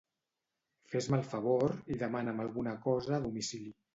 Fes-me el favor i demana'm alguna cosa a domicili.